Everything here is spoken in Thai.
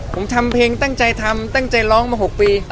ผมทำเพลงสนับประหลาดตั้งใจร้องมาหกปี